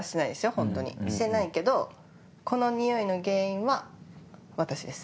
ホントにしてないけどこのにおいの原因は私です。